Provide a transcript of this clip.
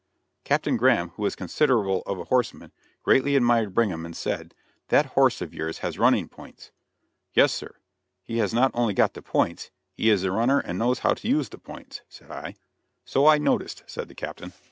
Captain Graham, who was considerable of a horseman, greatly admired Brigham, and said: "That horse of yours has running points." "Yes, sir; he has not only got the points, he is a runner and knows how to use the points," said I. "So I noticed," said the captain.